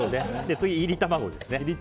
次、いり卵ですね。